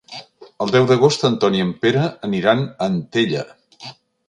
El deu d'agost en Ton i en Pere aniran a Antella.